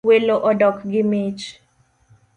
Welo odok gi mich